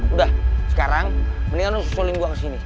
udah sekarang mendingan lu susulin gua kesini